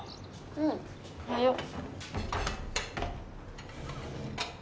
うんおはよう。